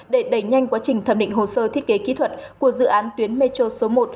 để đẩy nhanh quá trình thẩm định hồ sơ thiết kế kỹ thuật của dự án tuyến metro số một